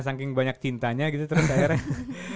saking banyak cintanya gitu terus daerahnya